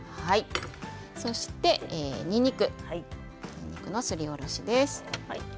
そして、にんにくすりおろしです。